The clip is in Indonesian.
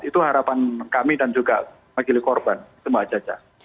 itu harapan kami dan juga magili korban semua caca